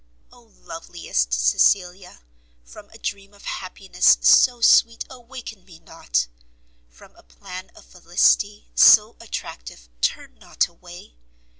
Oh loveliest Cecilia, from a dream Of happiness so sweet awaken me not! from a plan Of felicity so attractive turn not away!